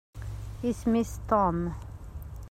Isem-is Tom